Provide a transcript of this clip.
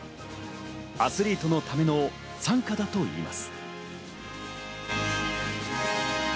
アスリートのための賛歌だといいます。